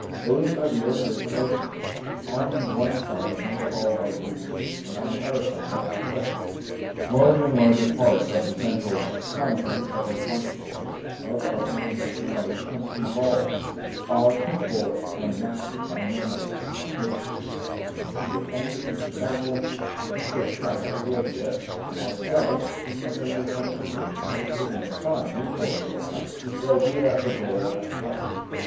Those ideas awaken emotions. On the one side may call our duty and on the other side our pleasure. Larger and larger parts of the central content of our consciousness, of our own personality, become involved; our principles and maxims, our memories, our hopes and fears, enter into the battle until deeper strata of the idea of ourselves enter into a firm association with the one side, reënforcing, perhaps, the idea of the goal at the right.